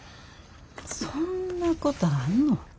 そんなことあんの？